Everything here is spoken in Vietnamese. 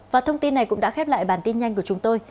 và thông tin này cũng đã khép lại bản tin nhanh của chúng tôi